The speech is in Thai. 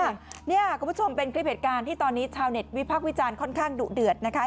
คุณผู้ชมเป็นคลิปเหตุการณ์ที่ตอนนี้ชาวเน็ตวิพักษ์วิจารณ์ค่อนข้างดุเดือดนะคะ